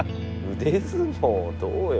腕相撲どうよ？